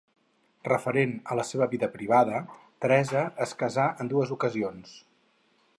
Referent a la seva vida privada, Teresa es casà en dues ocasions.